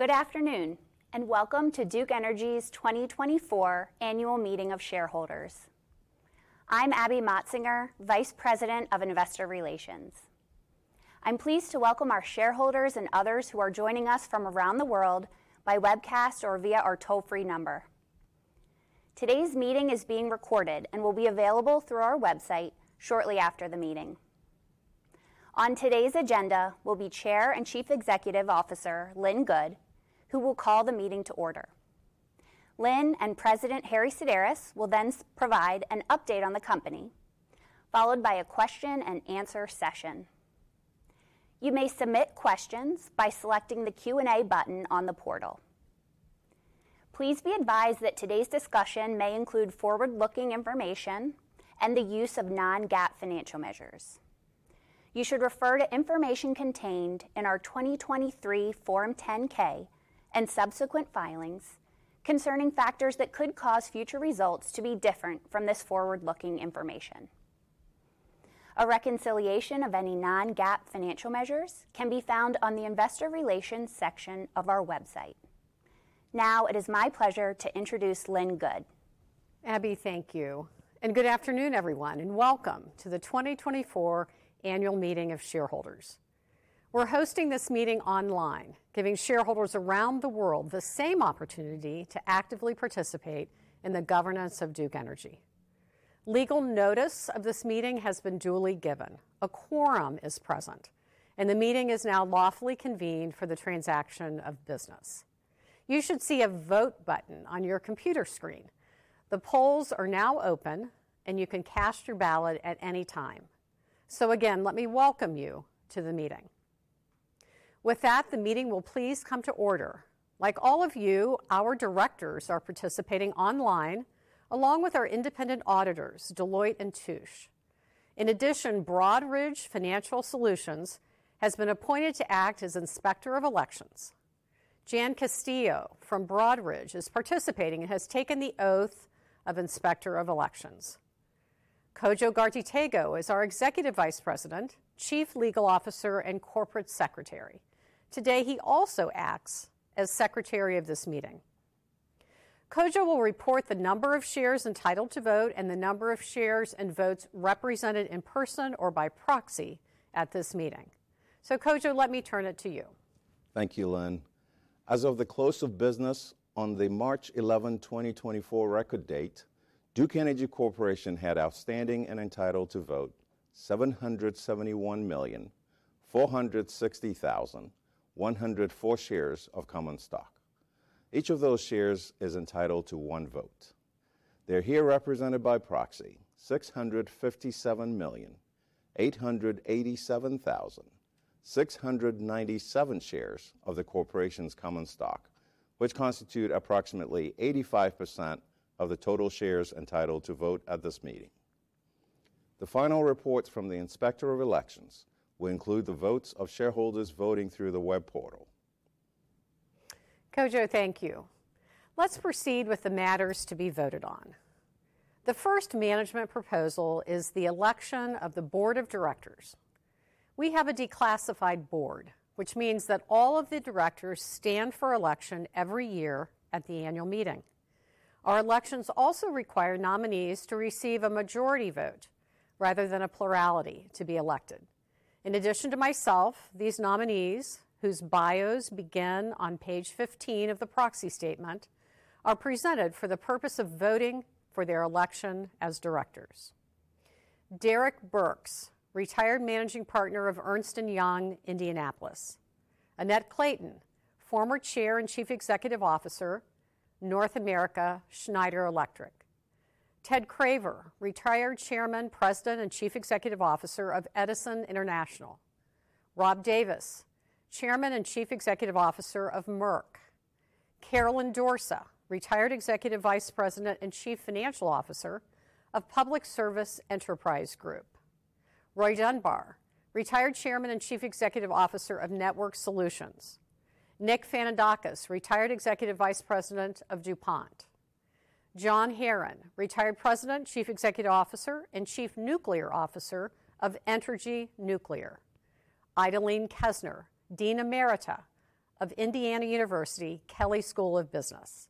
Good afternoon and welcome to Duke Energy's 2024 Annual Meeting of Shareholders. I'm Abby Motsinger, Vice President of Investor Relations. I'm pleased to welcome our shareholders and others who are joining us from around the world by webcast or via our toll-free number. Today's meeting is being recorded and will be available through our website shortly after the meeting. On today's agenda will be Chair and Chief Executive Officer Lynn Good, who will call the meeting to order. Lynn and President Harry Sideris will then provide an update on the company, followed by a question-and-answer session. You may submit questions by selecting the Q&A button on the portal. Please be advised that today's discussion may include forward-looking information and the use of non-GAAP financial measures. You should refer to information contained in our 2023 Form 10-K and subsequent filings concerning factors that could cause future results to be different from this forward-looking information. A reconciliation of any non-GAAP financial measures can be found on the Investor Relations section of our website. Now it is my pleasure to introduce Lynn Good. Abby, thank you. Good afternoon, everyone, and welcome to the 2024 Annual Meeting of Shareholders. We're hosting this meeting online, giving shareholders around the world the same opportunity to actively participate in the governance of Duke Energy. Legal notice of this meeting has been duly given. A quorum is present, and the meeting is now lawfully convened for the transaction of business. You should see a vote button on your computer screen. The polls are now open, and you can cast your ballot at any time. So again, let me welcome you to the meeting. With that, the meeting will please come to order. Like all of you, our directors are participating online, along with our independent auditors, Deloitte & Touche. In addition, Broadridge Financial Solutions has been appointed to act as Inspector of Elections. Jan Castillo from Broadridge is participating and has taken the oath of Inspector of Elections. Kodwo Ghartey-Tagoe is our Executive Vice President, Chief Legal Officer, and Corporate Secretary. Today he also acts as Secretary of this meeting. Kodwo will report the number of shares entitled to vote and the number of shares and votes represented in person or by proxy at this meeting. So Kodwo, let me turn it to you. Thank you, Lynn. As of the close of business on the March 11, 2024, record date, Duke Energy Corporation had outstanding and entitled to vote 771,460,104 shares of common stock. Each of those shares is entitled to one vote. They're here represented by proxy: 657,887,697 shares of the corporation's common stock, which constitute approximately 85% of the total shares entitled to vote at this meeting. The final reports from the Inspector of Elections will include the votes of shareholders voting through the web portal. Kodwo, thank you. Let's proceed with the matters to be voted on. The first management proposal is the election of the Board of Directors. We have a declassified board, which means that all of the directors stand for election every year at the annual meeting. Our elections also require nominees to receive a majority vote rather than a plurality to be elected. In addition to myself, these nominees, whose bios begin on page 15 of the proxy statement, are presented for the purpose of voting for their election as directors: Derek Burks, retired managing partner of Ernst & Young Indianapolis, Annette Clayton, former Chair and Chief Executive Officer, North America Schneider Electric, Ted Craver, retired Chairman, President, and Chief Executive Officer of Edison International, Rob Davis, Chairman and Chief Executive Officer of Merck, Carolyn Dorsa, retired Executive Vice President and Chief Financial Officer of Public Service Enterprise Group, Roy Dunbar, retired Chairman and Chief Executive Officer of Network Solutions, Nick Fanadakis, retired Executive Vice President of DuPont, John Herron, retired President, Chief Executive Officer, and Chief Nuclear Officer of Entergy Nuclear, Idalene Kesner, Dean Emerita of Indiana University Kelley School of Business,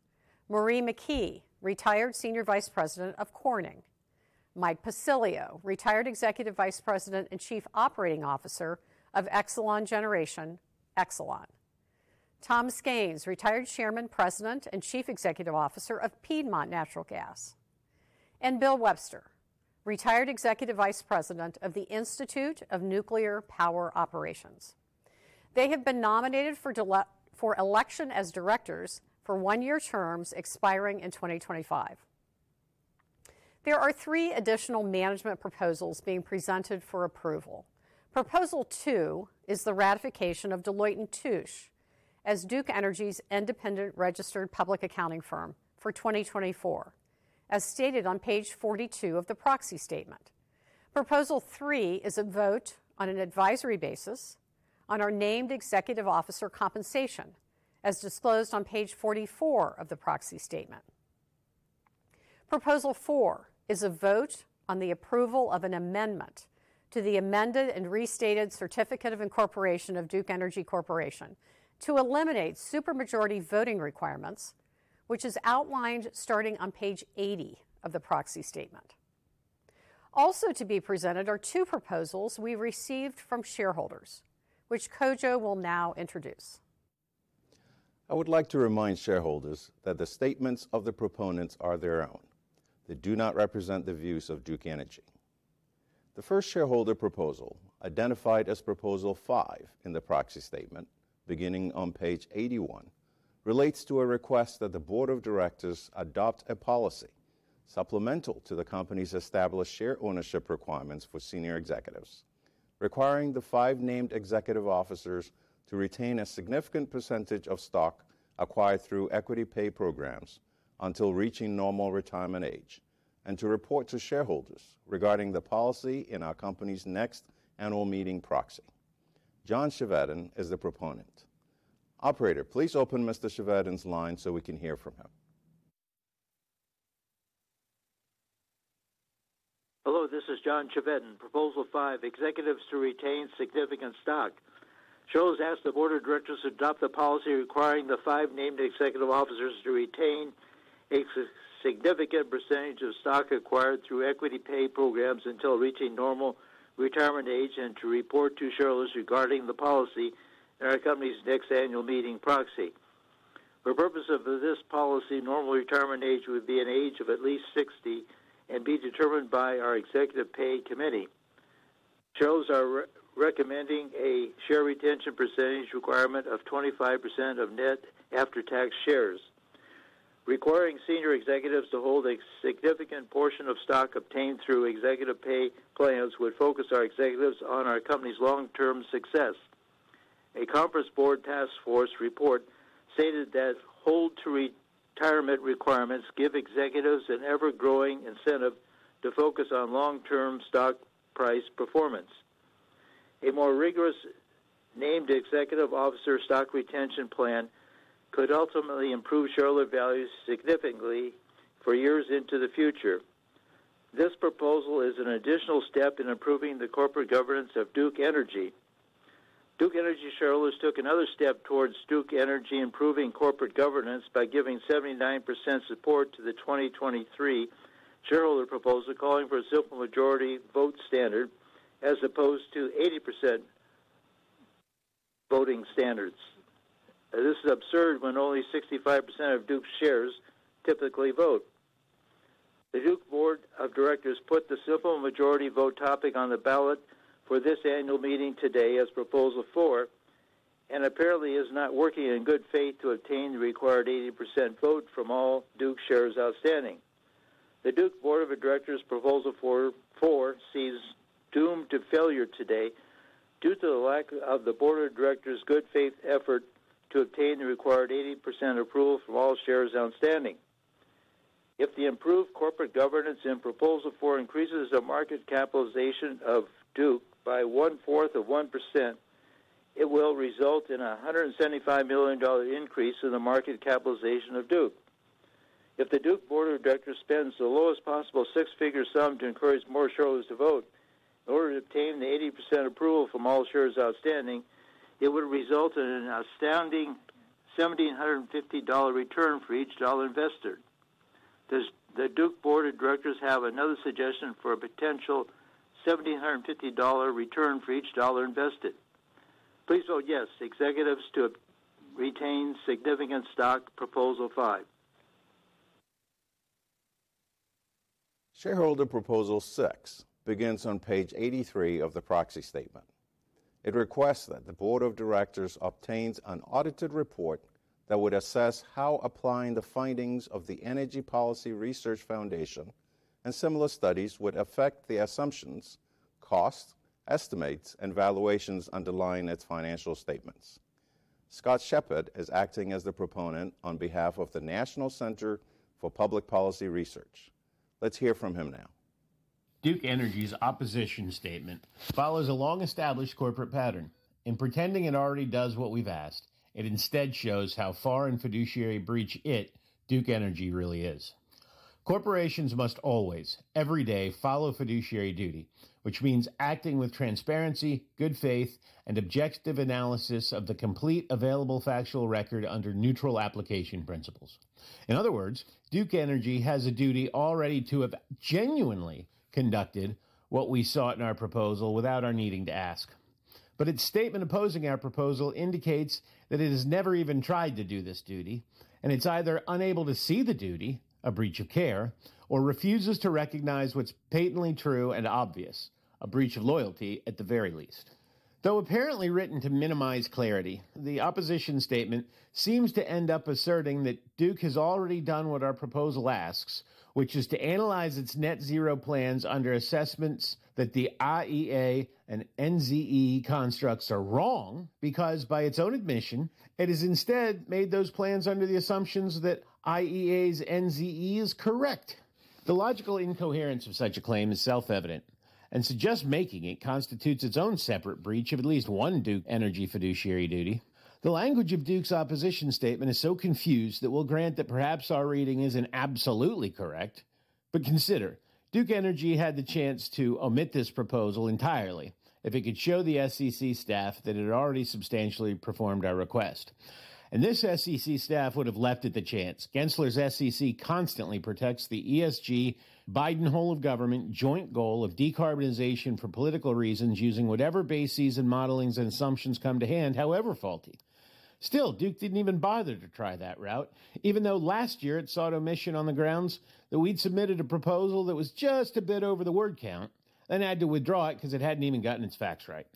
Marie McKee, retired Senior Vice President of Corning, Mike Pacilio, retired Executive Vice President and Chief Operating Officer of Exelon Generation, Tom Skains, retired Chairman, President, and Chief Executive Officer of Piedmont Natural Gas, and Bill Webster, retired Executive Vice President of the Institute of Nuclear Power Operations. They have been nominated for election as directors for one-year terms expiring in 2025. There are three additional management proposals being presented for approval. Proposal two is the ratification of Deloitte & Touche as Duke Energy's independent registered public accounting firm for 2024, as stated on page 42 of the proxy statement. Proposal three is a vote on an advisory basis on our named executive officer compensation, as disclosed on page 44 of the proxy statement. Proposal four is a vote on the approval of an amendment to the amended and restated Certificate of Incorporation of Duke Energy Corporation to eliminate supermajority voting requirements, which is outlined starting on page 80 of the proxy statement. Also to be presented are two proposals we received from shareholders, which Kodwo will now introduce. I would like to remind shareholders that the statements of the proponents are their own. They do not represent the views of Duke Energy. The first shareholder proposal, identified as Proposal five in the proxy statement beginning on page 81, relates to a request that the board of directors adopt a policy supplemental to the company's established share ownership requirements for senior executives, requiring the five named executive officers to retain a significant percentage of stock acquired through equity pay programs until reaching normal retirement age and to report to shareholders regarding the policy in our company's next annual meeting proxy. John Chevedden is the proponent. Operator, please open Mr. Chevedden's line so we can hear from him. Hello, this is John Chevedden. Proposal five, executives to retain significant stock, seeks that the Board of Directors adopt the policy requiring the five named executive officers to retain a significant percentage of stock acquired through equity pay programs until reaching normal retirement age and to report to shareholders regarding the policy in our company's next annual meeting proxy. For purpose of this policy, normal retirement age would be an age of at least 60 and be determined by our Executive Pay Committee. Shares are recommending a share retention percentage requirement of 25% of net after-tax shares. Requiring senior executives to hold a significant portion of stock obtained through executive pay plans would focus our executives on our company's long-term success. A Conference Board task force report stated that hold-to-retirement requirements give executives an ever-growing incentive to focus on long-term stock price performance. A more rigorous named executive officer stock retention plan could ultimately improve shareholder values significantly for years into the future. This proposal is an additional step in improving the corporate governance of Duke Energy. Duke Energy shareholders took another step towards Duke Energy improving corporate governance by giving 79% support to the 2023 shareholder proposal calling for a supermajority vote standard as opposed to 80% voting standards. This is absurd when only 65% of Duke's shares typically vote. The Duke Board of Directors put the supermajority vote topic on the ballot for this annual meeting today as Proposal four and apparently is not working in good faith to obtain the required 80% vote from all Duke shares outstanding. The Duke Board of Directors Proposal four is doomed to failure today due to the lack of the Board of Directors' good faith effort to obtain the required 80% approval from all shares outstanding. If the improved corporate governance in Proposal four increases the market capitalization of Duke by one-fourth of 1%, it will result in a $175 million increase in the market capitalization of Duke. If the Duke Board of Directors spends the lowest possible six-figure sum to encourage more shareholders to vote in order to obtain the 80% approval from all shares outstanding, it would result in an outstanding $1,750 return for each dollar invested. Does the Duke Board of Directors have another suggestion for a potential $1,750 return for each dollar invested? Please vote yes to executives to retain significant stock, Proposal five. Shareholder Proposal six begins on page 83 of the proxy statement. It requests that the Board of Directors obtains an audited report that would assess how applying the findings of the Energy Policy Research Foundation and similar studies would affect the assumptions, costs, estimates, and valuations underlying its financial statements. Scott Shepherd is acting as the proponent on behalf of the National Center for Public Policy Research. Let's hear from him now. Duke Energy's opposition statement follows a long-established corporate pattern. In pretending it already does what we've asked, it instead shows how far in fiduciary breach it, Duke Energy, really is. Corporations must always, every day, follow fiduciary duty, which means acting with transparency, good faith, and objective analysis of the complete available factual record under neutral application principles. In other words, Duke Energy has a duty already to have genuinely conducted what we saw in our proposal without our needing to ask. But its statement opposing our proposal indicates that it has never even tried to do this duty, and it's either unable to see the duty, a breach of care, or refuses to recognize what's patently true and obvious, a breach of loyalty at the very least. Though apparently written to minimize clarity, the opposition statement seems to end up asserting that Duke has already done what our proposal asks, which is to analyze its net zero plans under assessments that the IEA and NZE constructs are wrong because, by its own admission, it has instead made those plans under the assumptions that IEA's NZE is correct. The logical incoherence of such a claim is self-evident and suggests making it constitutes its own separate breach of at least one Duke Energy fiduciary duty. The language of Duke's opposition statement is so confused that we'll grant that perhaps our reading isn't absolutely correct. But consider, Duke Energy had the chance to omit this proposal entirely if it could show the SEC staff that it had already substantially performed our request. And this SEC staff would have left it the chance. Gensler's SEC constantly protects the ESG Biden-Hole of Government joint goal of decarbonization for political reasons using whatever bases and modelings and assumptions come to hand, however faulty. Still, Duke didn't even bother to try that route, even though last year it sought omission on the grounds that we'd submitted a proposal that was just a bit over the word count and had to withdraw it because it hadn't even gotten its facts right.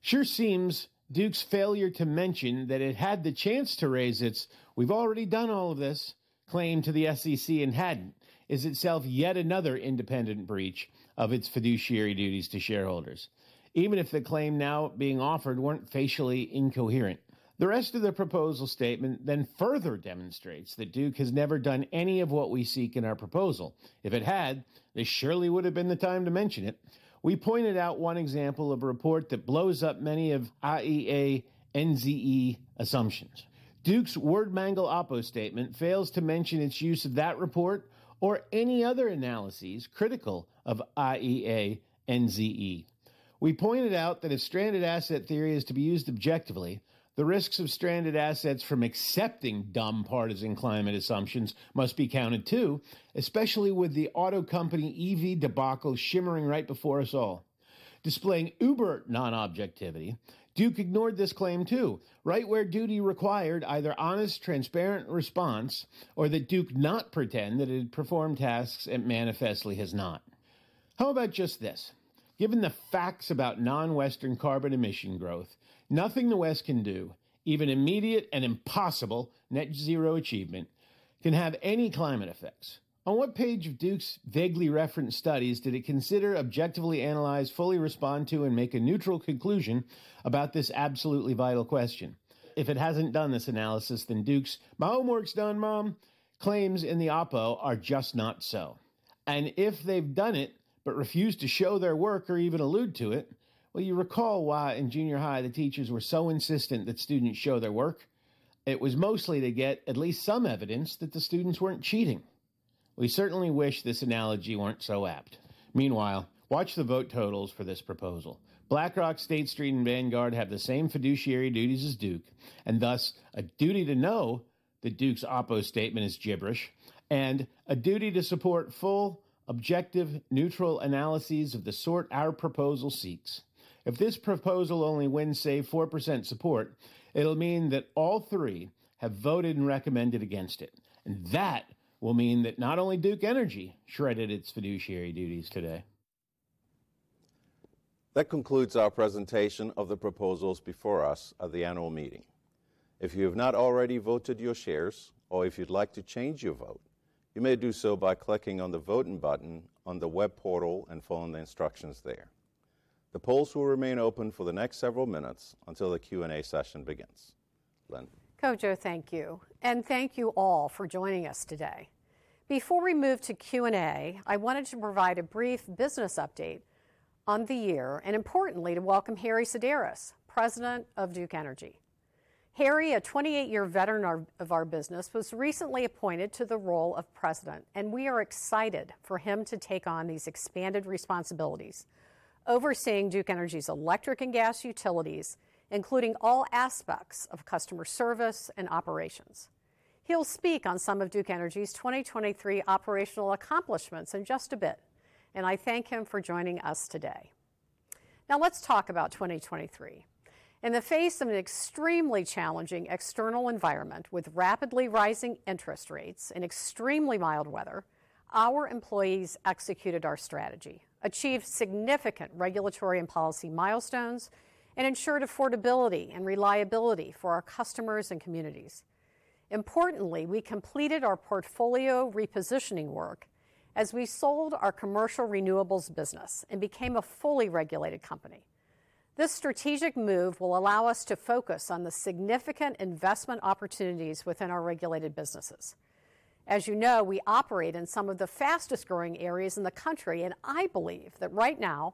Sure seems Duke's failure to mention that it had the chance to raise its "We've already done all of this" claim to the SEC and hadn't is itself yet another independent breach of its fiduciary duties to shareholders, even if the claim now being offered weren't facially incoherent. The rest of the proposal statement then further demonstrates that Duke has never done any of what we seek in our proposal. If it had, this surely would have been the time to mention it. We pointed out one example of a report that blows up many of IEA NZE assumptions. Duke's worded, mangled opposition statement fails to mention its use of that report or any other analyses critical of IEA NZE. We pointed out that if stranded asset theory is to be used objectively, the risks of stranded assets from accepting dumb partisan climate assumptions must be counted too, especially with the auto company EV debacle shimmering right before us all. Displaying uber non-objectivity, Duke ignored this claim too, right where duty required either honest, transparent response or that Duke not pretend that it had performed tasks it manifestly has not. How about just this? Given the facts about non-Western carbon emission growth, nothing the West can do, even immediate and impossible net zero achievement, can have any climate effects. On what page of Duke's vaguely referenced studies did it consider objectively analyze, fully respond to, and make a neutral conclusion about this absolutely vital question? If it hasn't done this analysis, then Duke's "my homework's done, Mom" claims in the opposite are just not so. And if they've done it but refused to show their work or even allude to it, well, you recall why in junior high the teachers were so insistent that students show their work. It was mostly to get at least some evidence that the students weren't cheating. We certainly wish this analogy weren't so apt. Meanwhile, watch the vote totals for this proposal. BlackRock, State Street, and Vanguard have the same fiduciary duties as Duke and thus a duty to know that Duke's opposed statement is gibberish and a duty to support full, objective, neutral analyses of the sort our proposal seeks. If this proposal only wins, say, 4% support, it'll mean that all three have voted and recommended against it. That will mean that not only Duke Energy shredded its fiduciary duties today. That concludes our presentation of the proposals before us at the annual meeting. If you have not already voted your shares or if you'd like to change your vote, you may do so by clicking on the Voting button on the web portal and following the instructions there. The polls will remain open for the next several minutes until the Q&A session begins. Lynn. Kodwo, thank you. Thank you all for joining us today. Before we move to Q&A, I wanted to provide a brief business update on the year and importantly to welcome Harry Sideris, President of Duke Energy. Harry, a 28-year veteran of our business, was recently appointed to the role of president, and we are excited for him to take on these expanded responsibilities overseeing Duke Energy's electric and gas utilities, including all aspects of customer service and operations. He'll speak on some of Duke Energy's 2023 operational accomplishments in just a bit, and I thank him for joining us today. Now let's talk about 2023. In the face of an extremely challenging external environment with rapidly rising interest rates and extremely mild weather, our employees executed our strategy, achieved significant regulatory and policy milestones, and ensured affordability and reliability for our customers and communities. Importantly, we completed our portfolio repositioning work as we sold our commercial renewables business and became a fully regulated company. This strategic move will allow us to focus on the significant investment opportunities within our regulated businesses. As you know, we operate in some of the fastest growing areas in the country, and I believe that right now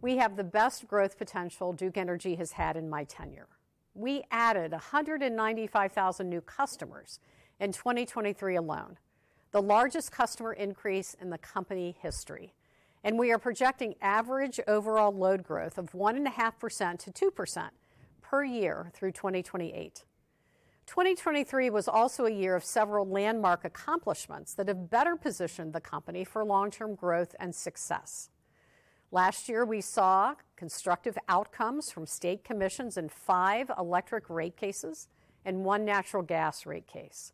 we have the best growth potential Duke Energy has had in my tenure. We added 195,000 new customers in 2023 alone, the largest customer increase in the company history, and we are projecting average overall load growth of 1.5%-2% per year through 2028. 2023 was also a year of several landmark accomplishments that have better positioned the company for long-term growth and success. Last year, we saw constructive outcomes from state commissions in five electric rate cases and one natural gas rate case.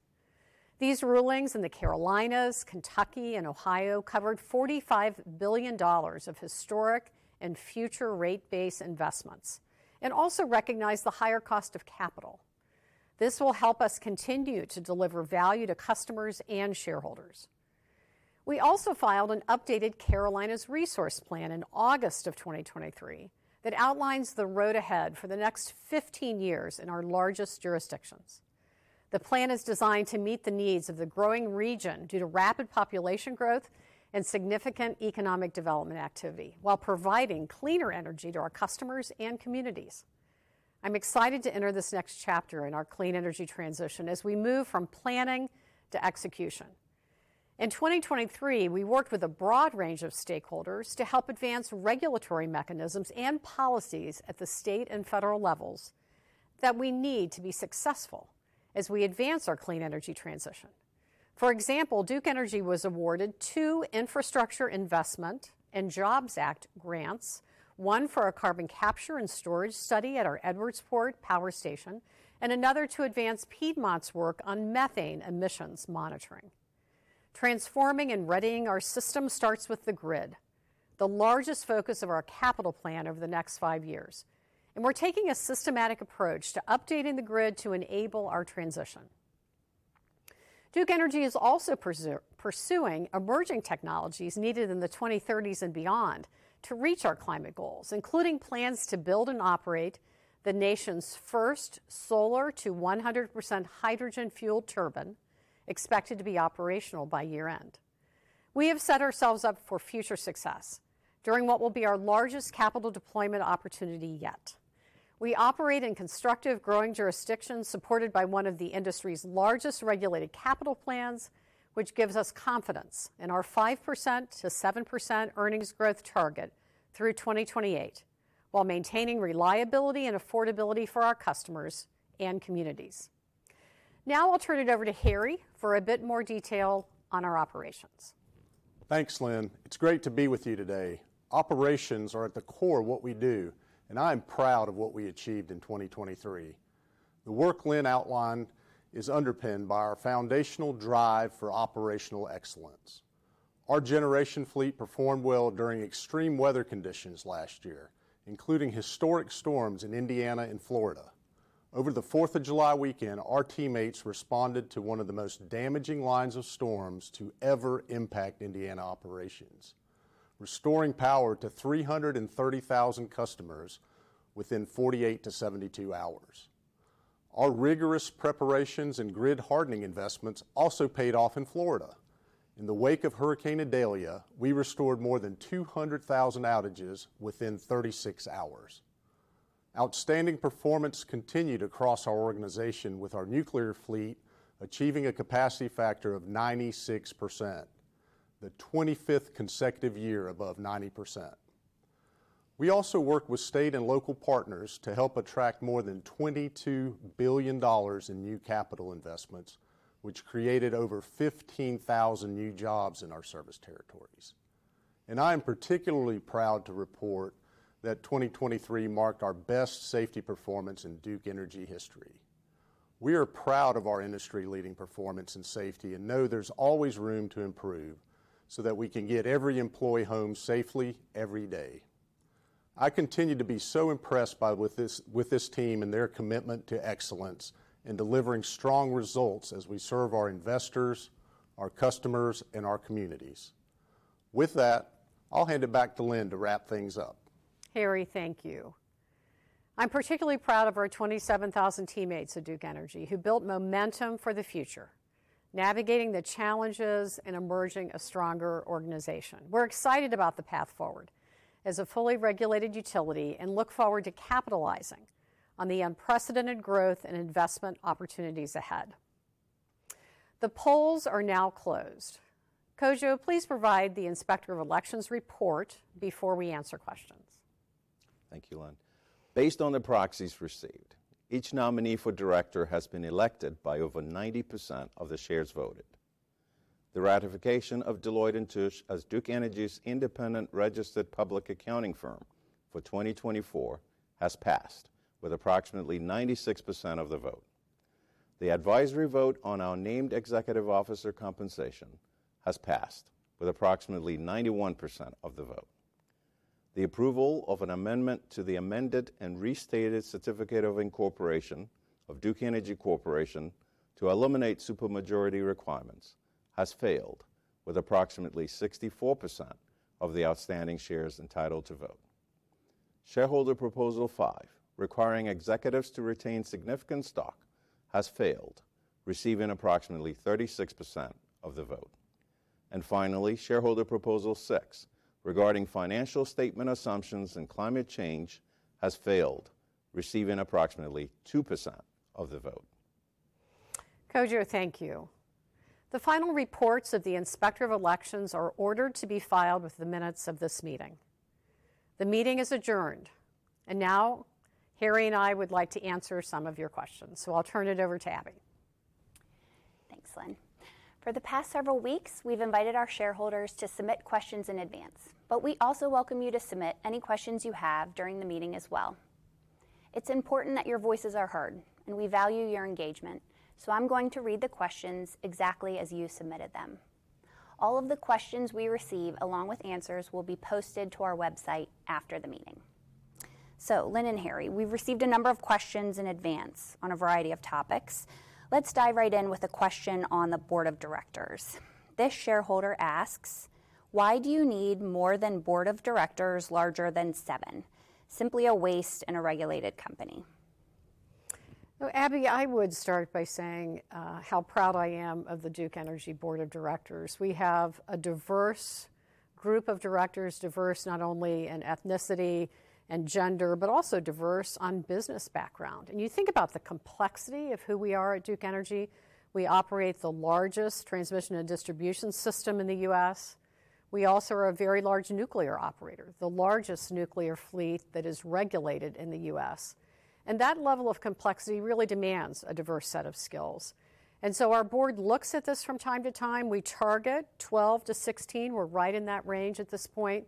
These rulings in the Carolinas, Kentucky, and Ohio covered $45 billion of historic and future rate-based investments and also recognized the higher cost of capital. This will help us continue to deliver value to customers and shareholders. We also filed an updated Carolinas Resource Plan in August of 2023 that outlines the road ahead for the next 15 years in our largest jurisdictions. The plan is designed to meet the needs of the growing region due to rapid population growth and significant economic development activity while providing cleaner energy to our customers and communities. I'm excited to enter this next chapter in our clean energy transition as we move from planning to execution. In 2023, we worked with a broad range of stakeholders to help advance regulatory mechanisms and policies at the state and federal levels that we need to be successful as we advance our clean energy transition. For example, Duke Energy was awarded two Infrastructure Investment and Jobs Act grants, one for a carbon capture and storage study at our Edwardsport Power Station and another to advance Piedmont's work on methane emissions monitoring. Transforming and readying our system starts with the grid, the largest focus of our capital plan over the next five years, and we're taking a systematic approach to updating the grid to enable our transition. Duke Energy is also pursuing emerging technologies needed in the 2030s and beyond to reach our climate goals, including plans to build and operate the nation's first solar to 100% hydrogen-fueled turbine expected to be operational by year-end. We have set ourselves up for future success during what will be our largest capital deployment opportunity yet. We operate in constructive growing jurisdictions supported by one of the industry's largest regulated capital plans, which gives us confidence in our 5%-7% earnings growth target through 2028 while maintaining reliability and affordability for our customers and communities. Now I'll turn it over to Harry for a bit more detail on our operations. Thanks, Lynn. It's great to be with you today. Operations are at the core of what we do, and I'm proud of what we achieved in 2023. The work Lynn outlined is underpinned by our foundational drive for operational excellence. Our generation fleet performed well during extreme weather conditions last year, including historic storms in Indiana and Florida. Over the 4th of July weekend, our teammates responded to one of the most damaging lines of storms to ever impact Indiana operations, restoring power to 330,000 customers within 48-72 hours. Our rigorous preparations and grid hardening investments also paid off in Florida. In the wake of Hurricane Idalia, we restored more than 200,000 outages within 36 hours. Outstanding performance continued across our organization with our nuclear fleet achieving a capacity factor of 96%, the 25th consecutive year above 90%. We also worked with state and local partners to help attract more than $22 billion in new capital investments, which created over 15,000 new jobs in our service territories. I am particularly proud to report that 2023 marked our best safety performance in Duke Energy history. We are proud of our industry-leading performance in safety and know there's always room to improve so that we can get every employee home safely every day. I continue to be so impressed by this team and their commitment to excellence in delivering strong results as we serve our investors, our customers, and our communities. With that, I'll hand it back to Lynn to wrap things up. Harry, thank you. I'm particularly proud of our 27,000 teammates at Duke Energy who built momentum for the future, navigating the challenges and emerging a stronger organization. We're excited about the path forward as a fully regulated utility and look forward to capitalizing on the unprecedented growth and investment opportunities ahead. The polls are now closed. Kodwo, please provide the inspector of elections report before we answer questions. Thank you, Lynn. Based on the proxies received, each nominee for director has been elected by over 90% of the shares voted. The ratification of Deloitte & Touche as Duke Energy's independent registered public accounting firm for 2024 has passed with approximately 96% of the vote. The advisory vote on our named executive officer compensation has passed with approximately 91% of the vote. The approval of an amendment to the amended and restated certificate of incorporation of Duke Energy Corporation to eliminate supermajority requirements has failed with approximately 64% of the outstanding shares entitled to vote. Shareholder proposal five, requiring executives to retain significant stock, has failed, receiving approximately 36% of the vote. And finally, shareholder proposal six regarding financial statement assumptions and climate change has failed, receiving approximately 2% of the vote. Kodwo, thank you. The final reports of the inspector of elections are ordered to be filed with the minutes of this meeting. The meeting is adjourned, and now Harry and I would like to answer some of your questions, so I'll turn it over to Abby. Thanks, Lynn. For the past several weeks, we've invited our shareholders to submit questions in advance, but we also welcome you to submit any questions you have during the meeting as well. It's important that your voices are heard, and we value your engagement, so I'm going to read the questions exactly as you submitted them. All of the questions we receive along with answers will be posted to our website after the meeting. So Lynn and Harry, we've received a number of questions in advance on a variety of topics. Let's dive right in with a question on the board of directors. This shareholder asks, "Why do you need more than board of directors larger than seven, simply a waste in a regulated company? Abby, I would start by saying how proud I am of the Duke Energy board of directors. We have a diverse group of directors, diverse not only in ethnicity and gender but also diverse on business background. You think about the complexity of who we are at Duke Energy, we operate the largest transmission and distribution system in the U.S. We also are a very large nuclear operator, the largest nuclear fleet that is regulated in the U.S and that level of complexity really demands a diverse set of skills. Our board looks at this from time to time. We target 12-16 we're right in that range at this point,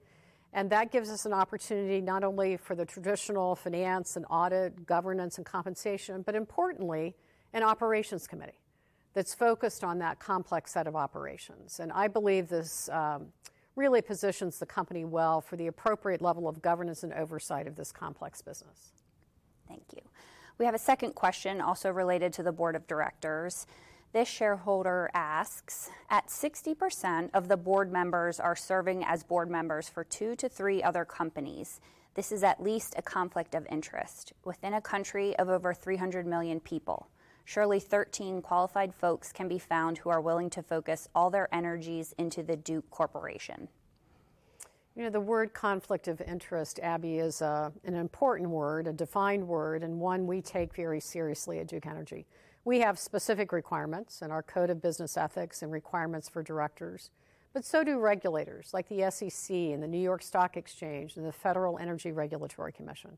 and that gives us an opportunity not only for the traditional finance and audit, governance, and compensation, but importantly, an operations committee that's focused on that complex set of operations. I believe this really positions the company well for the appropriate level of governance and oversight of this complex business. Thank you. We have a second question also related to the board of directors. This shareholder asks, "At 60% of the board members are serving as board members for 2-3 other companies. This is at least a conflict of interest. Within a country of over 300 million people, surely 13 qualified folks can be found who are willing to focus all their energies into the Duke Energy. The word conflict of interest, Abby, is an important word, a defined word, and one we take very seriously at Duke Energy. We have specific requirements in our code of business ethics and requirements for directors, but so do regulators like the SEC and the New York Stock Exchange and the Federal Energy Regulatory Commission.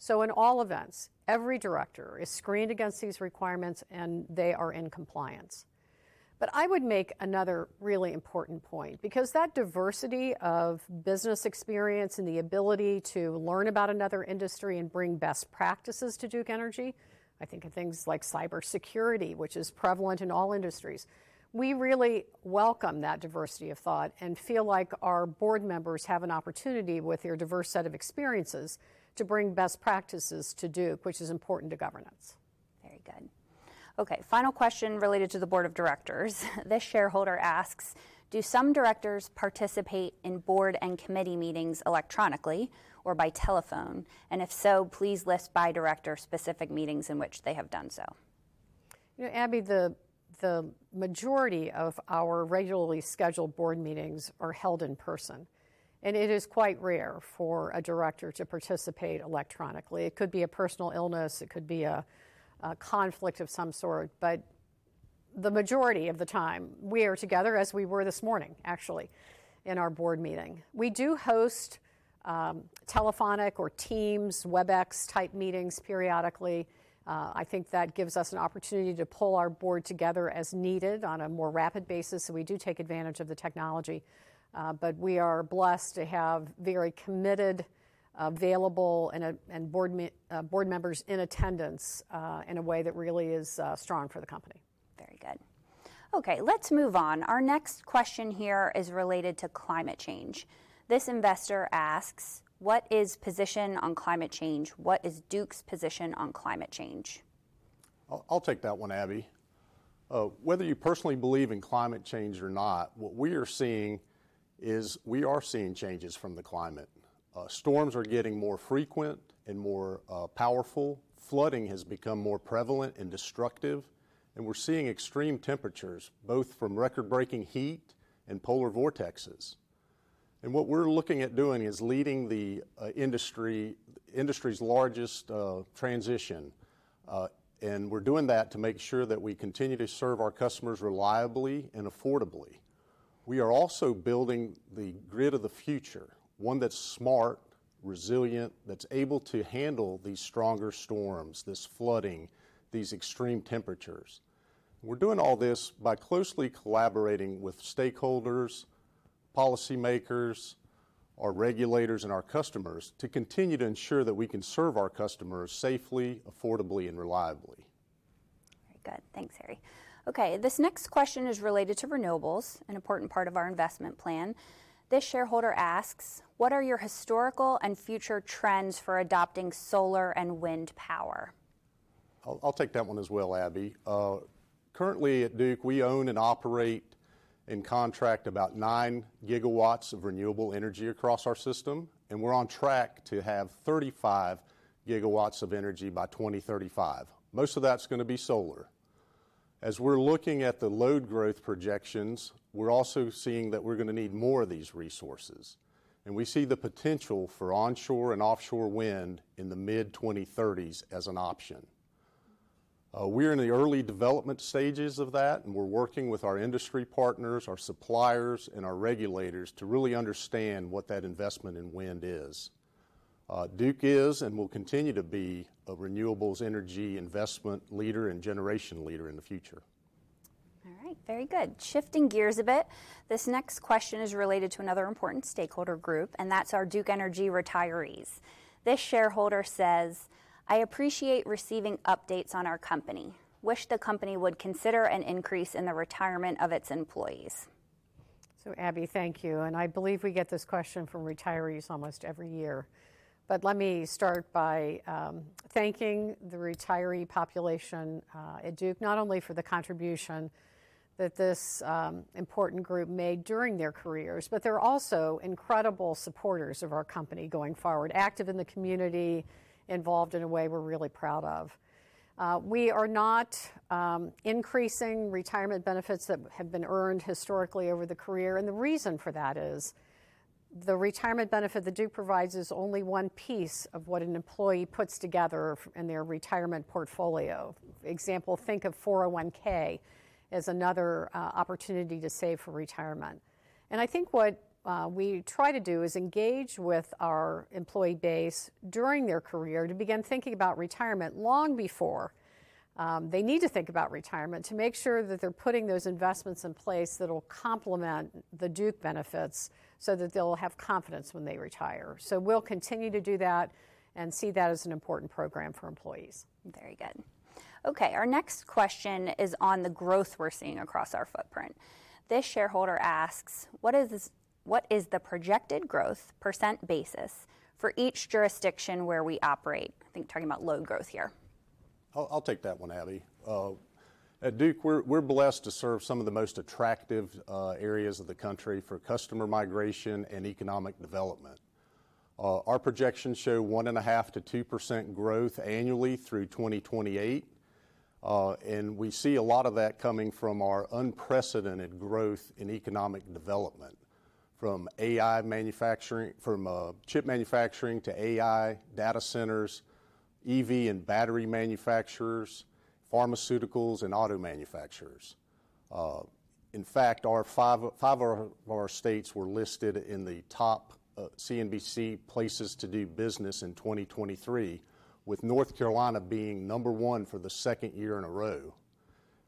So in all events, every director is screened against these requirements, and they are in compliance. But I would make another really important point because that diversity of business experience and the ability to learn about another industry and bring best practices to Duke Energy, I think of things like cybersecurity, which is prevalent in all industries, we really welcome that diversity of thought and feel like our board members have an opportunity with their diverse set of experiences to bring best practices to Duke, which is important to governance. Very good. Okay, final question related to the board of directors. This shareholder asks, "Do some directors participate in board and committee meetings electronically or by telephone? And if so, please list by director specific meetings in which they have done so." Abby, the majority of our regularly scheduled board meetings are held in person, and it is quite rare for a director to participate electronically. It could be a personal illness. It could be a conflict of some sort, but the majority of the time we are together as we were this morning, actually, in our board meeting. We do host telephonic or Teams Webex type meetings periodically. I think that gives us an opportunity to pull our board together as needed on a more rapid basis. So we do take advantage of the technology, but we are blessed to have very committed, available, and board members in attendance in a way that really is strong for the company. Very good. Okay, let's move on. Our next question here is related to climate change. This investor asks, "What is position on climate change? What is Duke's position on climate change?" I'll take that one, Abby. Whether you personally believe in climate change or not, what we are seeing is we are seeing changes from the climate. Storms are getting more frequent and more powerful. Flooding has become more prevalent and destructive, and we're seeing extreme temperatures both from record-breaking heat and polar vortexes. What we're looking at doing is leading the industry's largest transition, and we're doing that to make sure that we continue to serve our customers reliably and affordably. We are also building the grid of the future, one that's smart, resilient, that's able to handle these stronger storms, this flooding, these extreme temperatures. We're doing all this by closely collaborating with stakeholders, policymakers, our regulators, and our customers to continue to ensure that we can serve our customers safely, affordably, and reliably. Very good. Thanks, Harry. Okay, this next question is related to renewables, an important part of our investment plan. This shareholder asks, "What are your historical and future trends for adopting solar and wind power?" I'll take that one as well, Abby. Currently at Duke, we own and operate in contract about 9 GW of renewable energy across our system, and we're on track to have 35 GW of energy by 2035. Most of that's going to be solar. As we're looking at the load growth projections, we're also seeing that we're going to need more of these resources, and we see the potential for onshore and offshore wind in the mid-2030s as an option. We're in the early development stages of that, and we're working with our industry partners, our suppliers, and our regulators to really understand what that investment in wind is. Duke is and will continue to be a renewables energy investment leader and generation leader in the future. All right, very good. Shifting gears a bit, this next question is related to another important stakeholder group, and that's our Duke Energy retirees. This shareholder says, "I appreciate receiving updates on our company. Wish the company would consider an increase in the retirement of its employees." So Abby, thank you. And I believe we get this question from retirees almost every year. But let me start by thanking the retiree population at Duke not only for the contribution that this important group made during their careers, but they're also incredible supporters of our company going forward, active in the community, involved in a way we're really proud of. We are not increasing retirement benefits that have been earned historically over the career, and the reason for that is the retirement benefit that Duke provides is only one piece of what an employee puts together in their retirement portfolio. Example, think of 401(k) as another opportunity to save for retirement. I think what we try to do is engage with our employee base during their career to begin thinking about retirement long before they need to think about retirement to make sure that they're putting those investments in place that'll complement the Duke benefits so that they'll have confidence when they retire. So we'll continue to do that and see that as an important program for employees. Very good. Okay, our next question is on the growth we're seeing across our footprint. This shareholder asks, "What is the projected growth % basis for each jurisdiction where we operate?" I think talking about load growth here." I'll take that one, Abby. At Duke, we're blessed to serve some of the most attractive areas of the country for customer migration and economic development. Our projections show 1.5%-2% growth annually through 2028, and we see a lot of that coming from our unprecedented growth in economic development from AI manufacturing, from chip manufacturing to AI, data centers, EV and battery manufacturers, pharmaceuticals, and auto manufacturers. In fact, five of our states were listed in the top CNBC places to do business in 2023, with North Carolina being number one for the second year in a row.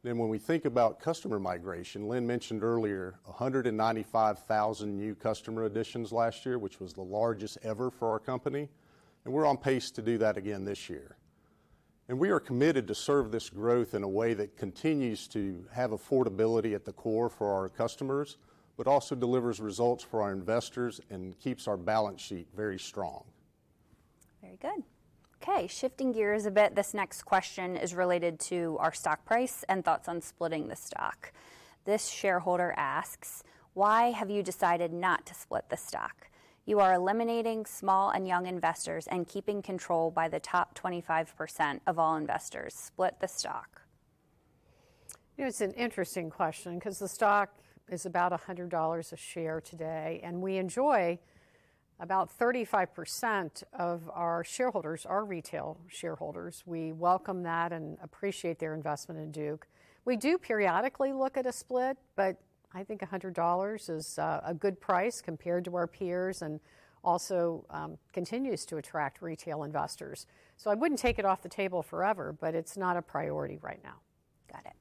Then when we think about customer migration, Lynn mentioned earlier 195,000 new customer additions last year, which was the largest ever for our company, and we're on pace to do that again this year. We are committed to serve this growth in a way that continues to have affordability at the core for our customers but also delivers results for our investors and keeps our balance sheet very strong. Very good. Okay, shifting gears a bit, this next question is related to our stock price and thoughts on splitting the stock. This shareholder asks, "Why have you decided not to split the stock? You are eliminating small and young investors and keeping control by the top 25% of all investors. Split the stock." It's an interesting question because the stock is about $100 a share today, and we enjoy about 35% of our shareholders are retail shareholders. We welcome that and appreciate their investment in Duke. We do periodically look at a split, but I think $100 is a good price compared to our peers and also continues to attract retail investors. So I wouldn't take it off the table forever, but it's not a priority right now. Got it.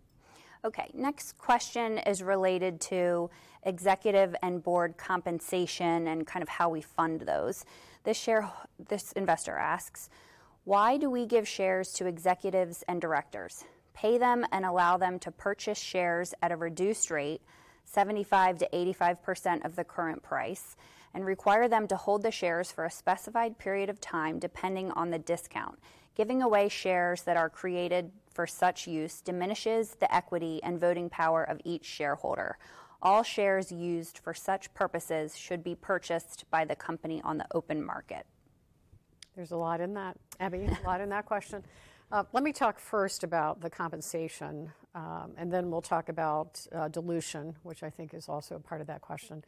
Okay, next question is related to executive and board compensation and kind of how we fund those. This investor asks, "Why do we give shares to executives and directors, pay them and allow them to purchase shares at a reduced rate, 75%-85% of the current price, and require them to hold the shares for a specified period of time depending on the discount? Giving away shares that are created for such use diminishes the equity and voting power of each shareholder. All shares used for such purposes should be purchased by the company on the open market." There's a lot in that, Abby, a lot in that question. Let me talk first about the compensation, and then we'll talk about dilution, which I think is also a part of that question.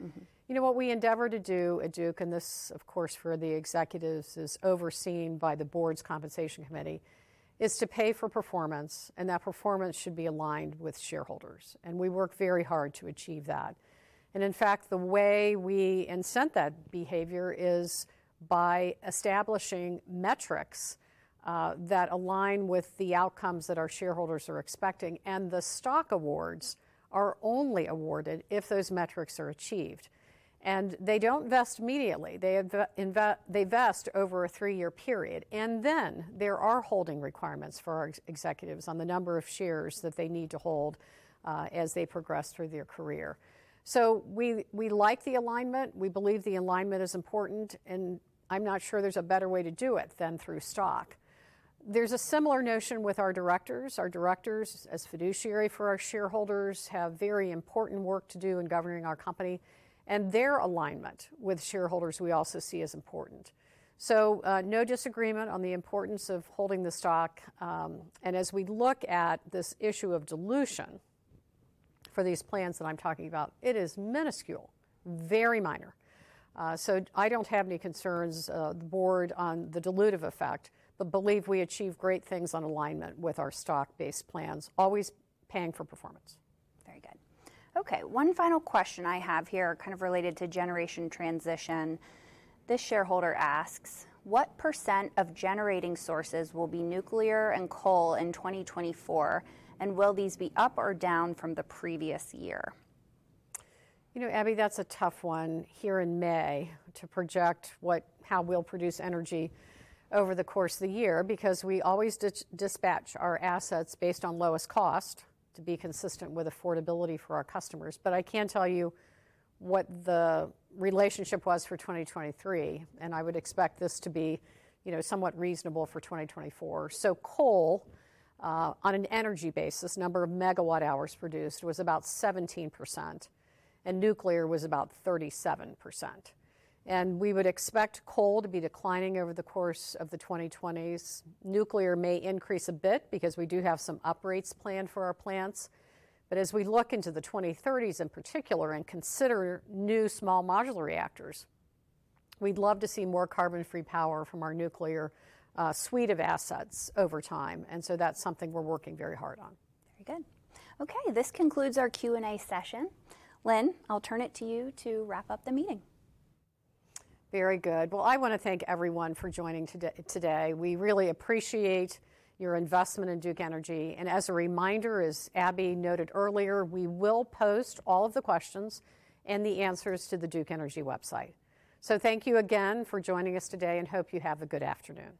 What we endeavor to do at Duke, and this, of course, for the executives is overseen by the board's compensation committee, is to pay for performance, and that performance should be aligned with shareholders. And we work very hard to achieve that. And in fact, the way we incent that behavior is by establishing metrics that align with the outcomes that our shareholders are expecting, and the stock awards are only awarded if those metrics are achieved. And they don't vest immediately they vest over a three-year period, and then there are holding requirements for our executives on the number of shares that they need to hold as they progress through their career. So we like the alignment. We believe the alignment is important, and I'm not sure there's a better way to do it than through stock. There's a similar notion with our directors. Our directors, as fiduciary for our shareholders, have very important work to do in governing our company, and their alignment with shareholders we also see as important. So no disagreement on the importance of holding the stock. And as we look at this issue of dilution for these plans that I'm talking about, it is minuscule, very minor. So I don't have any concerns, the board, on the dilutive effect, but believe we achieve great things on alignment with our stock-based plans, always paying for performance. Very good. Okay, one final question I have here kind of related to generation transition. This shareholder asks, "What % of generating sources will be nuclear and coal in 2024, and will these be up or down from the previous year?" Abby, that's a tough one here in May to project how we'll produce energy over the course of the year because we always dispatch our assets based on lowest cost to be consistent with affordability for our customers. But I can tell you what the relationship was for 2023, and I would expect this to be somewhat reasonable for 2024. So coal, on an energy basis, number of megawatt-hours produced was about 17%, and nuclear was about 37%. And we would expect coal to be declining over the course of the 2020s. Nuclear may increase a bit because we do have some upgrades planned for our plants. But as we look into the 2030s in particular and consider new small odular reactors, we'd love to see more carbon-free power from our nuclear suite of assets over time. And so that's something we're working very hard on. Very good. Okay, this concludes our Q&A session. Lynn, I'll turn it to you to wrap up the meeting. Very good. Well, I want to thank everyone for joining today. We really appreciate your investment in Duke Energy. As a reminder, as Abby noted earlier, we will post all of the questions and the answers to the Duke Energy website. Thank you again for joining us today, and hope you have a good afternoon.